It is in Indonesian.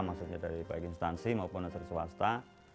maksudnya dari baik instansi maupun hasil swasta